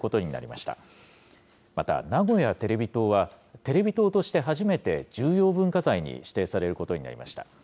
また、名古屋テレビ塔はテレビ塔として初めて重要文化財に指定されることになりました。